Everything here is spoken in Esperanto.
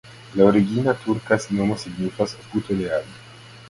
La origina turka nomo signifas: puto de Ali.